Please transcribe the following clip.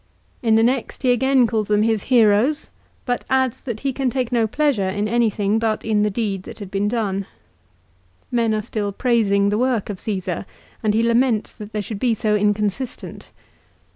1 In the next he again calls them his heroes, but adds that he can take no pleasure in anything but in the deed that had been done. Men are still praising the work of Cagsar and he laments that they should be so inconsistent.